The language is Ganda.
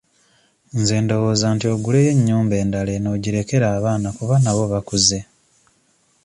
Nze ndowooza nti oguleyo ennyumba endala eno ogirekere abaana kuba nabo bakuze.